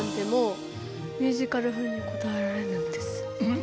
ん？